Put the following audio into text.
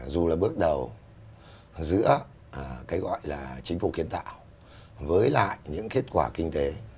dù là bước đầu giữa cái gọi là chính phủ kiến tạo với lại những kết quả kinh tế